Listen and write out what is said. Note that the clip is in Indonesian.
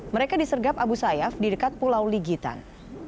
mereka disergap abu sayyaf di dekat pulau ligitan